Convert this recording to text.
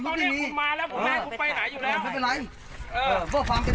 ผมน่าคุณไปไหนอยู่แล้วไม่เป็นไรเออว่าฟังเป็น